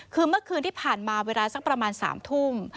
คือเมื่อคืนที่ผ่านมาเวลาสักประมาณ๓ทุ่ม